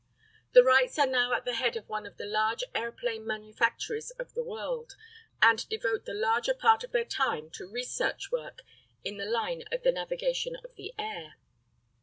The Wrights are now at the head of one of the largest aeroplane manufactories in the world, and devote the larger part of their time to research work in the line of the navigation of the air.